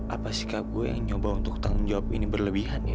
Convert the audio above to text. apa sikap gue yang nyoba untuk tanggung jawab ini berlebihan ya